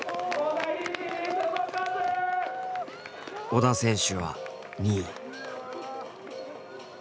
織田選手は２位。